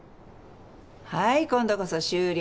はい今度こそ終了。